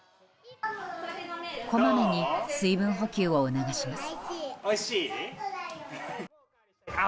こまめに水分補給を促します。